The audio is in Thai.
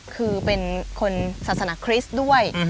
คือเป็นคนศาสนาคริสต์ด้วย